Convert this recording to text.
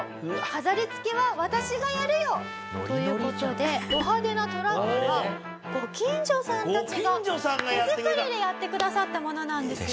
「飾り付けは私がやるよ」という事でド派手なトラックはご近所さんたちが手作りでやってくださったものなんです。